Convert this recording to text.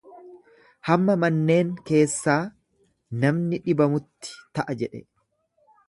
Hamma manneen keessaa namni dhabamutti ta'a jedhe.